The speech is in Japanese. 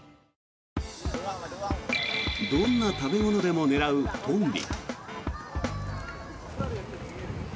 どんな食べ物でも狙うトンビ。